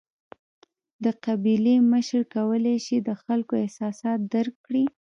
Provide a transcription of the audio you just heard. د قبیلې مشر کولای شي د خلکو احساسات درک کړي.